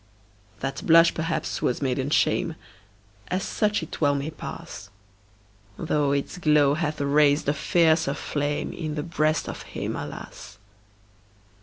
That blush, perhaps, was maiden shame As such it well may pass Though its glow hath raised a fiercer flame In the breast of him, alas!